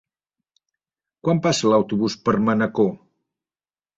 Quan passa l'autobús per Manacor?